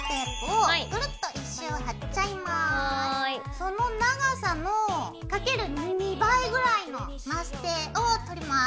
その長さのかける２倍ぐらいのマステを取ります。